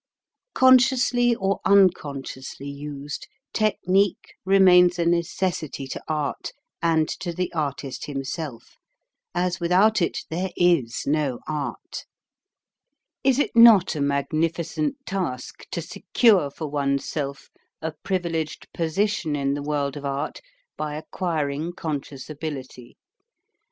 Consciously or unconsciously used, technique remains a necessity to art and to the artist himself,, as without it there is no art. Is it not a magnificent task to secure for oneVself a privileged position in the world of art by acquiring conscious ability?